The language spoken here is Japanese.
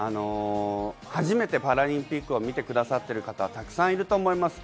初めてパラリンピックを見てくださってる方たくさんいると思います。